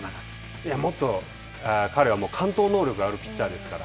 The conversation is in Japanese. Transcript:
もっと彼は完投能力があるピッチャーですから。